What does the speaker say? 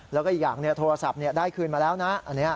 แล้วก็อีกอย่างโทรศัพท์ได้คืนมาแล้วนะ